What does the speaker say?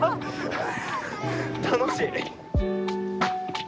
楽しい。